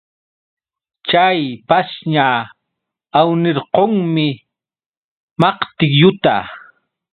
Chay pashña awnirqunmi maqtilluta.